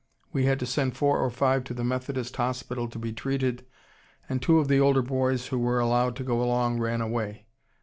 We had to send four or five to the Methodist hospital to be treated, and two of the older boys who were allowed to go along ran away.